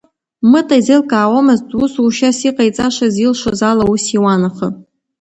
Мыта изеилкаауамызт усушьас иҟаиҵашаз, илшоз ала аус иуан аха…